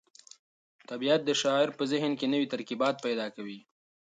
طبیعت د شاعر په ذهن کې نوي ترکیبات پیدا کوي.